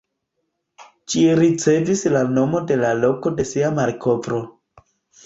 Ĝi ricevis la nomon de la loko de sia malkovro.